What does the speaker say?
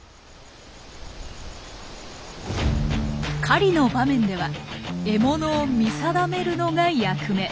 狩りの場面では獲物を見定めるのが役目。